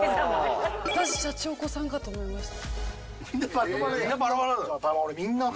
私シャチホコさんかと思いました。